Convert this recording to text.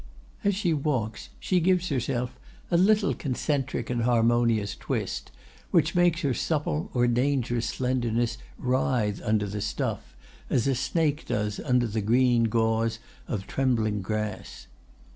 "As she walks she gives herself a little concentric and harmonious twist, which makes her supple or dangerous slenderness writhe under the stuff, as a snake does under the green gauze of trembling grass.